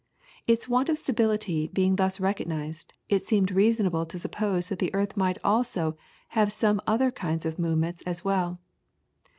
Its want of stability being thus recognised, it seemed reasonable to suppose that the earth might also have some other kinds of movements as well.